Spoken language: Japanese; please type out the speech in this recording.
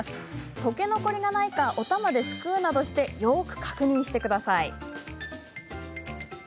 溶け残りがないかおたまで、すくうなどしてよく確認してください。